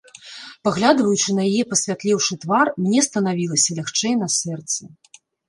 Паглядваючы на яе пасвятлеўшы твар, мне станавілася лягчэй на сэрцы.